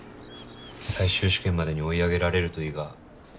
最終試験までに追い上げられるといいが。